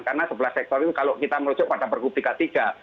karena sebelah sektor itu kalau kita merujuk pada berkubik ketiga